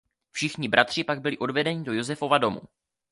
Všichni bratři pak byli odvedeni do Josefova domu.